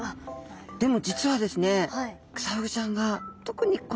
でも実はですねえっ！